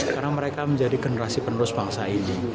karena mereka menjadi generasi penerus bangsa ini